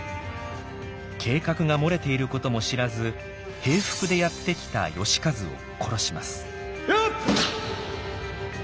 計画が漏れていることも知らず平服でやって来た能員を殺します。